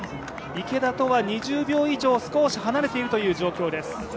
池田とは２０秒以上、少し離れているという状況です。